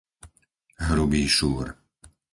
Hrubý Šúr